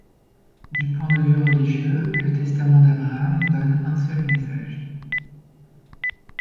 Du point de vue religieux, le Testament d'Abraham donne un seul message.